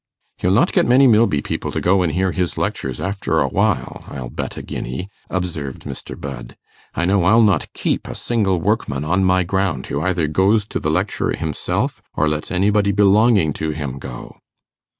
'He'll not get many Milby people to go and hear his lectures after a while, I'll bet a guinea,' observed Mr. Budd. 'I know I'll not keep a single workman on my ground who either goes to the lecture himself or lets anybody belonging to him go.